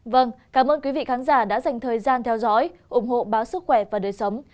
vâng cảm ơn quý vị khán giả đã dành thời gian theo dõi ủng hộ báo sức khỏe và đời sống